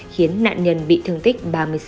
khiến nạn nhân bị thương tích ba mươi sáu